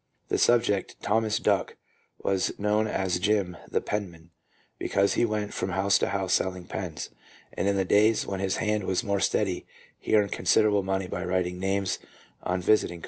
The subject, Thomas Duck, was known as " Jim the Penman," because he went from house to house selling pens, and in the days when his hand was more steady he earned consider able money by writing names on visiting cards, for he 1 J.